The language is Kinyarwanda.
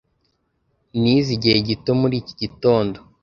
Nize igihe gito muri iki gitondo.